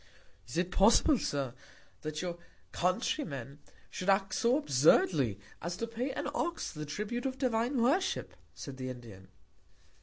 Is it possible, Sir, that your Country men should act so absurdly, as to pay an Ox the Tribute of divine Worship, said the Indian?